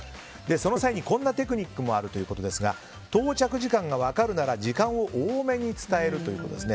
その際にこんなテクニックもあるということですが到着時間が分かるなら時間を多めに伝えるということですね。